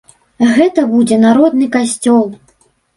Гэта будзе народны касцёл!